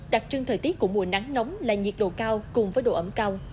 đặc trưng thời tiết của mùa nắng nóng là nhiệt độ cao cùng với độ ấm cao